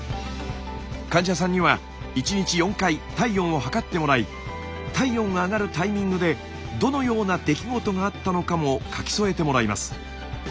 患者さんには１日４回体温を測ってもらい体温が上がるタイミングでどのような出来事があったのかも書き添えてもらいます。